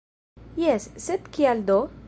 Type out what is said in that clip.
Jes, sed kial do?